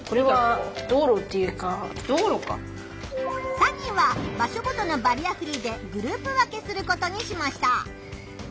３人は場所ごとのバリアフリーでグループ分けすることにしました。